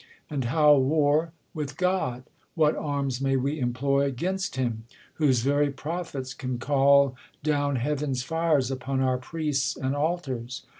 And how war ^ With God ? what arms may we employ 'gainst him, Whose very prophets can call down heaven's fires Upon our priests and altars